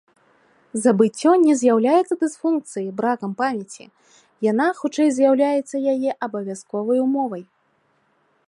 Забыццё не з'яўляецца дысфункцыяй, бракам памяці, яна хутчэй з'яўляецца яе абавязковай умовай.